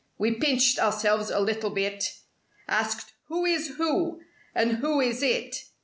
We pinched ourselves a little bit— Asked "Who is who?" and "Who is IT?"